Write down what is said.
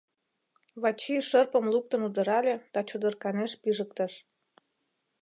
Вачий шырпым луктын удырале да чодырканеш пижыктыш.